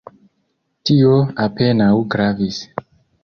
Tio apenaŭ gravis.